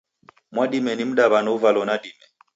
Mwadime ni mdaw'ana uvalo nadime.